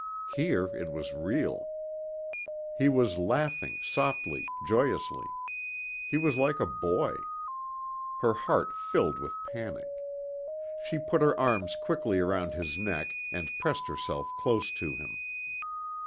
Here it was real. He was laughing, softly, joyously. He was like a boy. Her heart filled with panic. She put her arms quickly around his neck and pressed herself close to him.